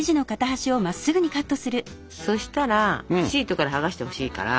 そしたらシートから剥がしてほしいから。